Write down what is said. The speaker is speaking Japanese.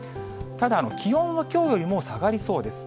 ただ、気温はきょうよりも下がりそうです。